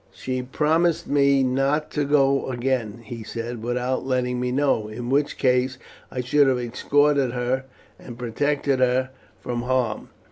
"She promised me not to go again," he said, "without letting me know, in which case I should have escorted her and protected her from harm.